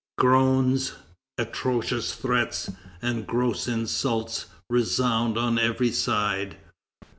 Groans, atrocious threats, and gross insults resound on every side.